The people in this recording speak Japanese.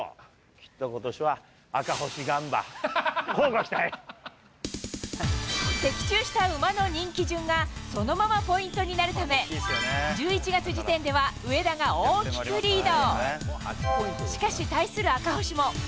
きっとことしは、アカホシガンバ、的中した馬の人気順が、そのままポイントになるため、１１月時点では上田が大きくリード。